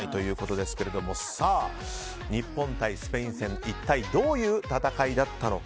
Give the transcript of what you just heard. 日本対スペイン戦一体どういう戦いだったのか。